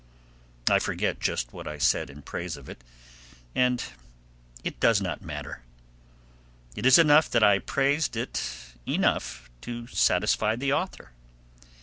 I forget just what I said in praise of it, and it does not matter; it is enough that I praised it enough to satisfy the author.